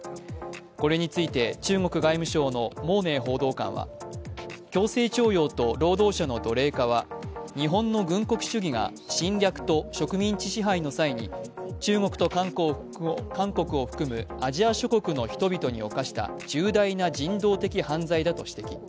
これについて中国外務省の毛寧報道官は強制徴用と労働者の奴隷化は日本の軍国主義が、侵略と植民地支配の際に、中国と韓国を含むアジア諸国の人々に犯した重大な人道的犯罪だと指摘。